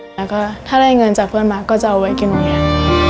แล้วก็ถ้าได้เงินจากเพื่อนมาก็จะเอาไว้กินโรงเรียน